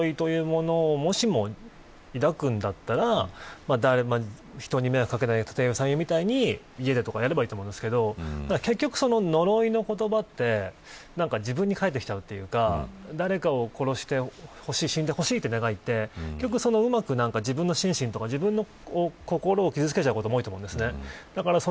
だから、やっぱり呪いというものを、もしも抱くんだったら人に迷惑を掛けない立岩さんみたいに、家でとかやればいいと思いますけど結局、呪いの言葉って自分に返ってきちゃうっていうか誰かを殺してほしい死んでほしいという願いって結局、うまく自分の心身とか心を傷つけちゃうことも多いと思うんです。